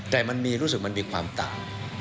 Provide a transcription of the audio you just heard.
แต่มันมีรู้สึกมันมีความต่าง